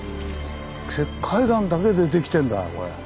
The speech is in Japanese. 石灰岩だけでできてんだこれ。